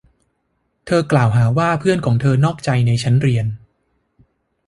เธอกล่าวหาว่าเพื่อนของเธอนอกใจในชั้นเรียน